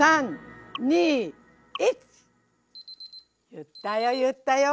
ゆったよゆったよ。